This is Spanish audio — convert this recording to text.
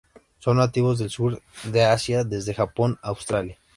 Son nativos del sur de Asia desde Japón a Australia.